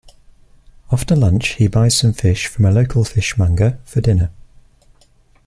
After lunch he buys some fish from a local fishmonger for dinner.